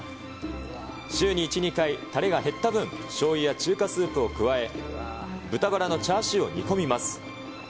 週に１、２回、たれが減った分、しょうゆや中華スープを加え、豚バラのチャーシューを煮込みます。